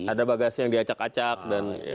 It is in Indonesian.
ada bagasi yang diacak acak dan